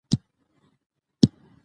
دا ترکيب له انګليسي ژبې څخه راغلی دی.